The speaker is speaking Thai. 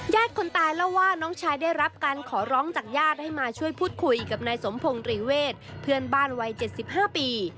คนตายเล่าว่าน้องชายได้รับการขอร้องจากญาติให้มาช่วยพูดคุยกับนายสมพงศ์ตรีเวทเพื่อนบ้านวัย๗๕ปี